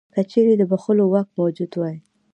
که چیرې د بخښلو واک موجود وای.